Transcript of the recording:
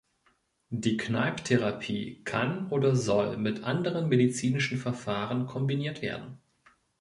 Die Kneipp-Therapie kann oder soll mit anderen medizinischen Verfahren kombiniert werden.